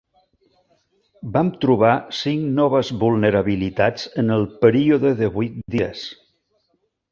Vam trobar cinc noves vulnerabilitats en el període de vuit dies.